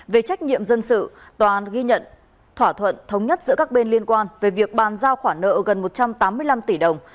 về trách nhiệm dân sự tòa ghi nhận thỏa thuận thống nhất giữa các bên liên quan về việc bàn giao khoản nợ gần một trăm tám mươi năm tỷ đồng